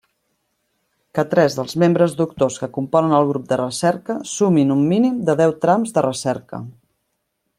Que tres dels membres doctors que componen el grup de recerca sumin un mínim de deu trams de recerca.